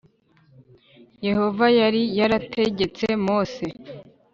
Yehova yari yarategetse Mose